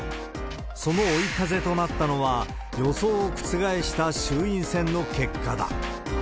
その追い風となったのは、予想を覆した衆院選の結果だ。